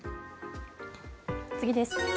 次です。